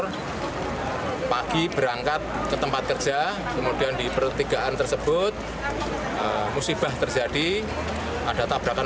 hai pagi berangkat ke tempat kerja kemudian di pertigaan tersebut musibah terjadi ada tabrakan